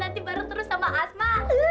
berarti kututnya nanti baru terus sama asma